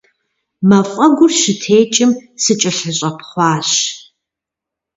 Мафӏэгур щытекӏым, сыкӏэлъыщӏэпхъуащ.